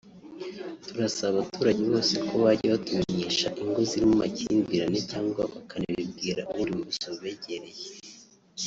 turasaba abaturage bose ko bajya batumenyesha ingo zirimo amakimbirane cyangwa bakanabibwira ubundi buyobozi bubegereye